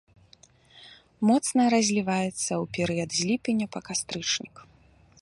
Моцна разліваецца ў перыяд з ліпеня па кастрычнік.